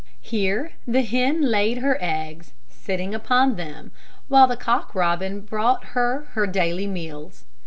Here the hen laid her eggs, sitting upon them, while Cock Robin brought her her daily meals.